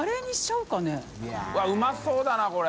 うわっうまそうだなこれ。